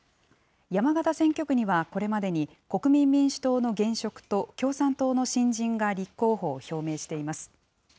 山形選挙区にはこれまでに、国民民主党の現職と共産党の新人が立候補を表明しています。